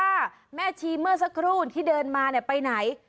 อะเขเมื่อสักครู่ถึงเดินมาเนี่ยไปไหน